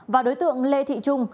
và đối tượng lê thị trung